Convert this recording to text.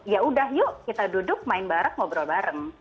mereka juga bisa berbicara bareng